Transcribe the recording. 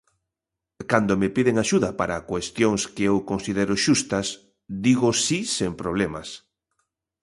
Cando me piden axuda para cuestións que eu considero xustas, digo si sen problemas.